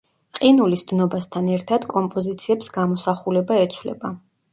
ყინულის დნობასთან ერთად კომპოზიციებს გამოსახულება ეცვლება.